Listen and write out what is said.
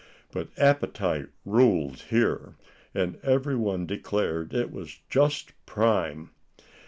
But appetite ruled here, and every one declared it was "just prime."